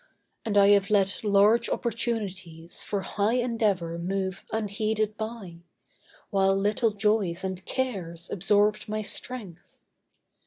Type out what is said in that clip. And I have let large opportunities For high endeavour move unheeded by, While little joys and cares absorbed my strength.